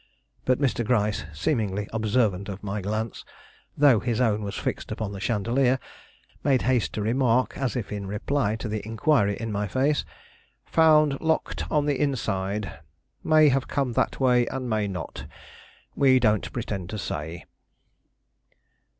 But Mr. Gryce, seemingly observant of my glance, though his own was fixed upon the chandelier, made haste to remark, as if in reply to the inquiry in my face: "Found locked on the inside; may have come that way and may not; we don't pretend to say."